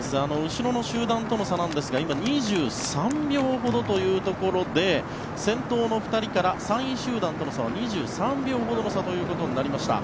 後ろの集団との差なんですが２３秒ほどというところで先頭の２人から３位集団との差は２３秒ほどとなりました。